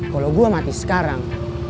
kalo gue mati sekarang